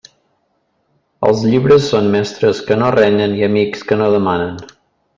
Els llibres són mestres que no renyen i amics que no demanen.